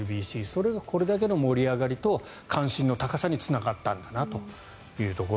それがこれだけの盛り上がりと関心の高さにつながったんだと。